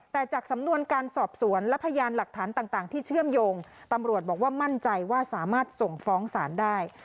แต่จากสำนวนการสอบสวนและพยานหลักฐานต่างที่เชื่อมโยงตำรวจบอกว่ามั่นใจว่าสามารถส่งฟ้องศาลได้